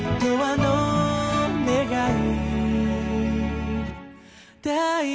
はい！